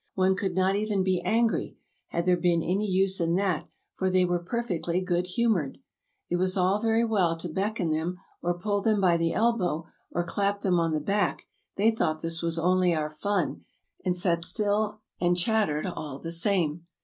One could not even be angry, had there been any use in that, for they were perfectly good humored. It was all very well to beckon them, or pull them by the elbow, or clap them on the back; they thought this was only our fun, and sat still and chat tered all the same.